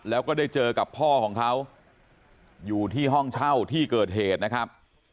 แล้วก็ได้เจอกับพ่อของเขาอยู่ที่ห้องเช่าที่เกิดเหตุนะครับ